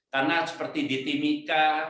karena seperti di timika